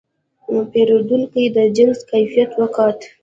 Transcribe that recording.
پیرودونکی د جنس کیفیت وکت.